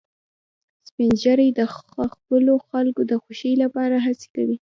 سپین ږیری د خپلو خلکو د خوښۍ لپاره هڅې کوي